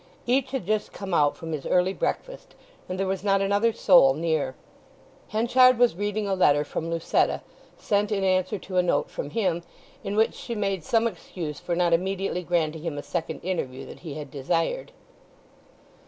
Each had just come out from his early breakfast, and there was not another soul near. Henchard was reading a letter from Lucetta, sent in answer to a note from him, in which she made some excuse for not immediately granting him a second interview that he had desired.